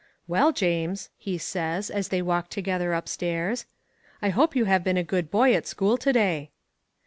"Well, James," he says, as they walk together up stairs, "I hope you have been a good boy at school to day."